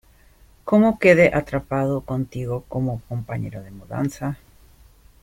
¿ Cómo quede atrapado contigo como compañero de mudanza?